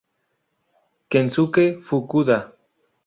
Kensuke Fukuda